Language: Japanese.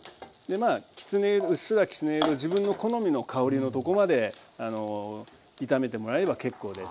まあきつね色うっすらきつね色自分の好みの香りのとこまで炒めてもらえれば結構です。